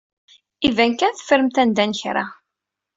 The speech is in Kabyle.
Iban kan teffremt anda n kra.